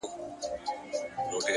• سیاه پوسي ده، رنگونه نسته،